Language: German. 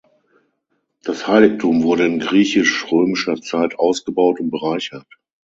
Das Heiligtum wurde in griechisch-römischer Zeit ausgebaut und bereichert.